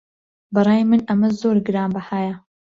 بەڕای من ئەمە زۆر گرانبەهایە.